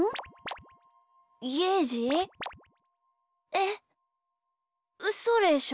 えっうそでしょ？